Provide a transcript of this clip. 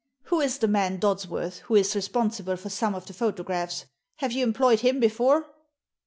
Who is the man Dodsworth, who is responsible for some of the photographs? Have you employed him before?"